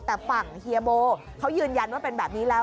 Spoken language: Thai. แต่ฝั่งเฮียโบเขายืนยันว่าเป็นแบบนี้แล้ว